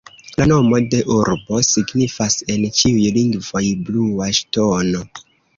La nomo de urbo signifas en ĉiuj lingvoj Blua Ŝtono.